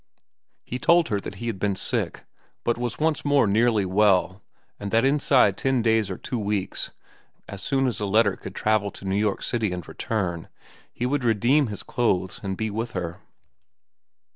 He told her that he had been sick, but was once more nearly well, and that inside ten days or two weeks (as soon as a letter could travel to New York City and return) he would redeem his clothes and be with her.